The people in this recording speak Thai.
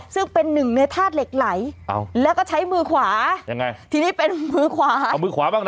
ซึ่งเป็นหนึ่งในธาตุเหล็กไหล้แล้วก็ใช้มือขวาที่นี่เป็นมือขวา